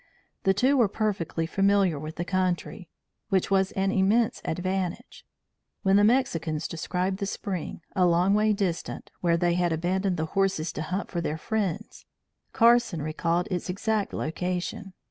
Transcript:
The two were perfectly familiar with the country, which was an immense advantage. When the Mexicans described the spring, a long ways distant, where they had abandoned the horses to hunt for their friends, Carson recalled its exact location.